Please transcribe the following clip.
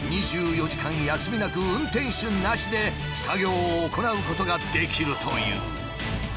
２４時間休みなく運転手なしで作業を行うことができるという。